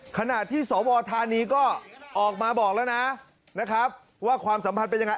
ขณะที่สวธานีก็ออกมาบอกแล้วนะนะครับว่าความสัมพันธ์เป็นยังไง